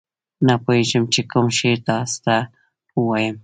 نه پوهېږم چې کوم شعر تاسو ته ووایم.